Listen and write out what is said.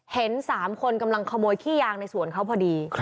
เห็น๓คนกำลังขโมยขี้ยางในสวนเขาพอดี